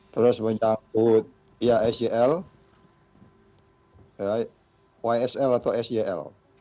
terus menyangkut ysl atau sel